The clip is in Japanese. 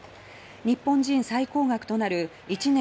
日本人最高額となる１年